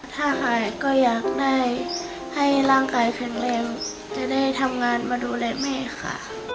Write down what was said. ถ้าหายก็อยากได้ให้ร่างกายแข็งแรงจะได้ทำงานมาดูแลแม่ค่ะ